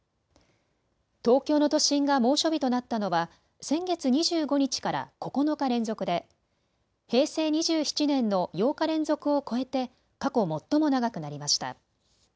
東京の都心が猛暑日となったのは先月２５日から９日連続で平成２７年の８日連続を超えて過去最も長くなりました。